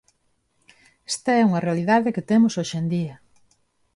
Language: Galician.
Esta é unha realidade que temos hoxe en día.